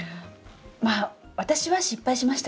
まあ私は失敗しましたけど。